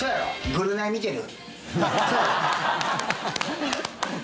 「ぐるナイ見てる？」